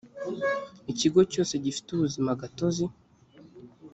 ikigo cyose gifite ubuzima gatozi